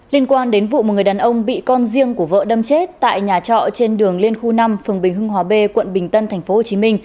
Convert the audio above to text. liên quan đến vụ một người đàn ông bị con riêng của vợ đâm chết tại nhà trọ trên đường liên khu năm phường bình hưng hòa b quận bình tân tp hcm